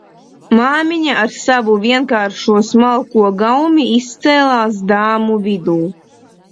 Māmiņa ar savu vienkāršo smalko gaumi izcēlās dāmu vidū.